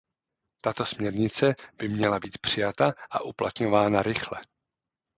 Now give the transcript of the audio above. Tato směrnice by měla být přijata a uplatňována rychle.